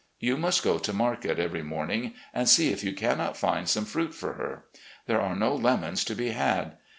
You must go to market every morning and see if you cannot find some fruit for her. There are no lemons to be had.